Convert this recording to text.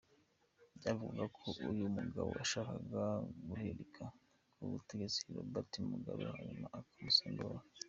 Byavugwaga ko uyu mugabo yashakaga guhirika ku butegetsi Robert Mugabe hanyuma akamusimbura.